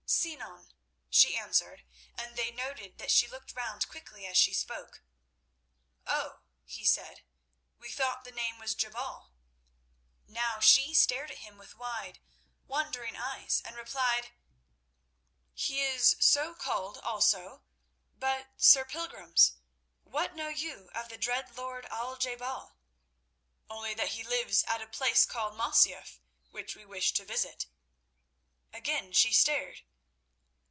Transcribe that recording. "Sinan," she answered, and they noted that she looked round quickly as she spoke the word. "Oh," he said, "we thought the name was Jebal." Now she stared at him with wide, wondering eyes, and replied: "He is so called also; but, Sir Pilgrims, what know you of the dread lord Al je bal?" "Only that he lives at a place called Masyaf, which we wish to visit." Again she stared.